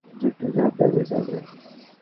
নয়তো তুমি এবং তোমার ফিল্ম, দুইট জাহান্নামে যাবে।